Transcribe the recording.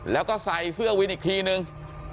แล้วก็ใส่เสื้อวินอีกทีนึง